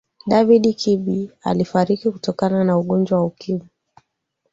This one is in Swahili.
david kirby alifariki kutokana na ugonjwa wa ukimwi